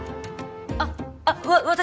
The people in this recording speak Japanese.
あっわ私？